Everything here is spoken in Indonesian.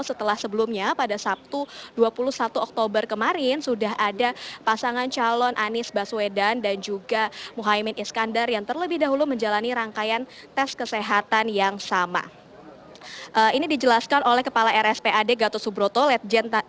setelah sebelumnya pada sabtu dua puluh satu oktober kemarin sudah ada pasangan calon anies baswedan dan juga muhaymin iskandar yang terlebih dahulu menjalani rangkaian tes kesehatan yang sama